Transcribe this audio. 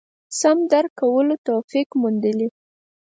سم درک کولو توفیق موندلي.